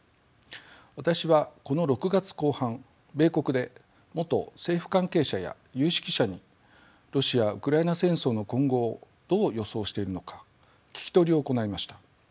私はこの６月後半米国で元政府関係者や有識者にロシア・ウクライナ戦争の今後をどう予想しているのか聞き取りを行いました。